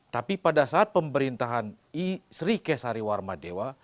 tapi pada saat pemerintahan sri kesari warma dewa